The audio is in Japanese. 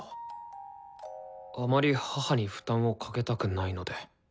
あまり母に負担をかけたくないので。